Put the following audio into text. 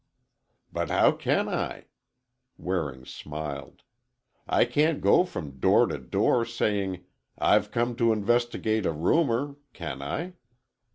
"But how can I?" Waring smiled. "I can't go from door to door, saying 'I've come to investigate a rumor,' can I?"